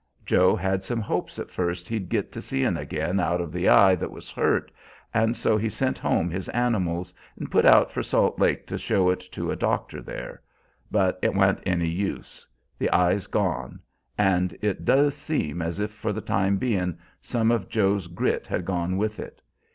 Joe had some hopes at first he'd git to seein' again out of the eye that was hurt, and so he sent home his animals and put out for Salt Lake to show it to a doctor there; but it wan't any use. The eye's gone; and it doos seem as if for the time bein' some of Joe's grit had gone with it.